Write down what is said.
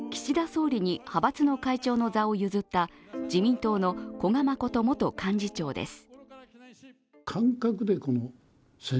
総理に派閥の会長の座を譲った自民党の古賀誠元幹事長です。